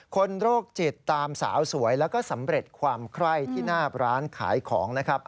โรคจิตตามสาวสวยแล้วก็สำเร็จความไคร้ที่หน้าร้านขายของนะครับ